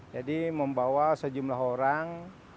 jadi membawa sejumlah orang